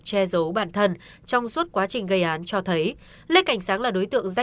che giấu bản thân trong suốt quá trình gây án cho thấy lê cảnh sáng là đối tượng